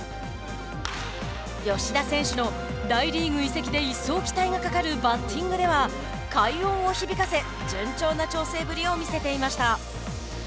吉田選手の大リーグ移籍で一層期待がかかるバッティングでは快音を響かせ順調な調整ぶりを見せていました。